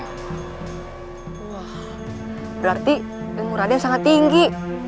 wah berarti ilmu raden sangat tinggi